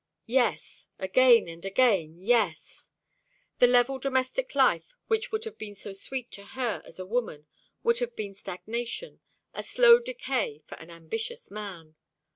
Yes, again and again yes. The level domestic life which would have been so sweet to her as a woman would have been stagnation, a slow decay for an ambitious man.